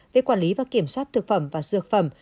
về quản lý và kiểm soát thực phẩm và dược phẩm